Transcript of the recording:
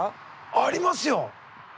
ありますよ。